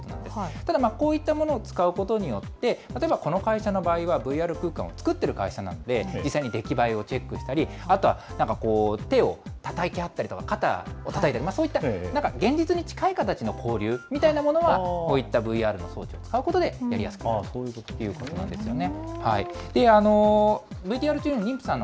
ただ、こういったものを使うことによって、例えばこの会社の場合は、ＶＲ空間を作ってる会社なんで、実際に出来栄えをチェックしたり、あとは、なんかこう、手をたたき合ったりとか、肩をたたいたり、そういった、なんか現実に近い形の交流みたいなものが、こういったＶＲの装置を使うことでやりやすくなるということなんですよね。